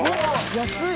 安い！